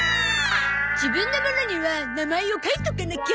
自分のものには名前を書いとかなきゃ。